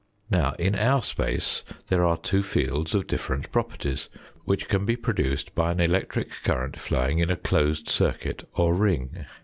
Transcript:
Now in our space there are two fields of different properties, which can be produced by an electric current flowing in a closed circuit or ring.